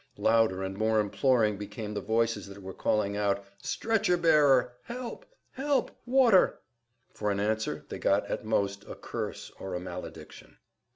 Louder and more imploring became the voices that were calling out, "Stretcher bearer! Help! Help! Water!" For an answer they got at most a curse or a malediction.